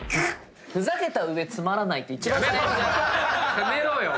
やめろよ！